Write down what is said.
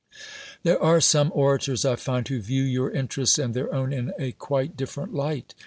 There are some orators, I find, who view your interests and their own in a quite different light.